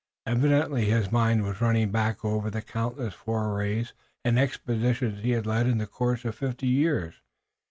Evidently his mind was running back over the countless forays and expeditions he had led in the course of fifty years.